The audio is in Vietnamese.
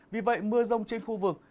vì vậy mưa rông trên khu vực